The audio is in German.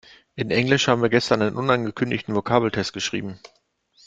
In Englisch haben wir gestern einen unangekündigten Vokabeltest geschrieben.